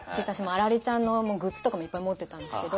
アラレちゃんのグッズとかもいっぱい持ってたんですけど。